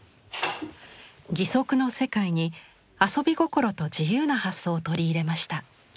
義足の世界に遊び心と自由な発想を取り入れました。